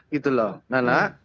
gitu loh nanda